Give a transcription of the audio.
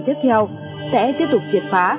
tiếp theo sẽ tiếp tục triệt phá